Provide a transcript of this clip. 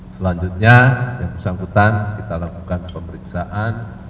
selanjutnya yang bersangkutan kita lakukan pemeriksaan